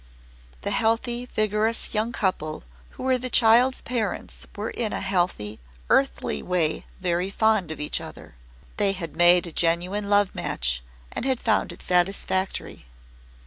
The healthy, vigourous young couple who were the child's parents were in a healthy, earthly way very fond of each other. They had made a genuine love match and had found it satisfactory.